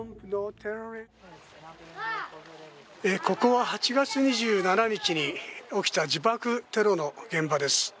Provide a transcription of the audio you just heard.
ここは８月２７日に起きた自爆テロの現場です。